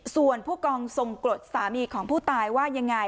ส่วนผู้กองทรงกรดสามีของผู้ตายว่ายังไง